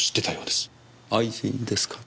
愛人ですか？